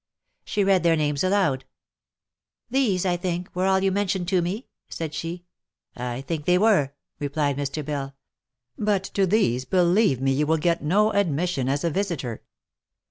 She read their names aloud. " These, 1 think, were all you mentioned to me V* said she. " I think they were," replied Mr. Bell. " But to these, believe me, you will get no admission as a visiter."